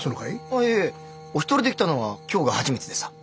あいえいえお一人で来たのは今日が初めてでさぁ。